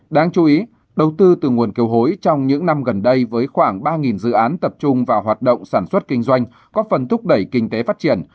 đáng chú ý đầu tư từ nguồn kiều hối trong những năm gần đây với khoảng ba dự án tập trung vào hoạt động sản xuất kinh doanh có phần thúc đẩy kinh tế phát triển